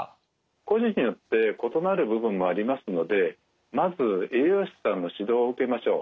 個人によって異なる部分もありますのでまず栄養士さんの指導を受けましょう。